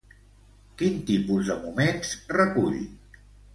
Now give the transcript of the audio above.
Quin tipus de moments recull?